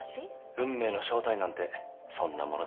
運命の正体なんてそんなものです